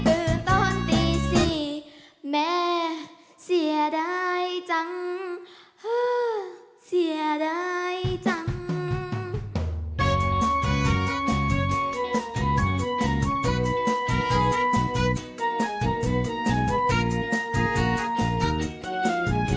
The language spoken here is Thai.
คือตอนตีสี่แม่เสียดายจังฮะเสียดายจัง